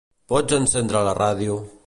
Pots encendre la ràdio?